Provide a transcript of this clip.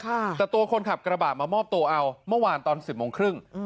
แต่ตัวคนขับกระบะมามอบตัวเอาเมื่อวานตอนสิบโมงครึ่งอืม